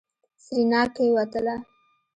سېرېنا کېوتله.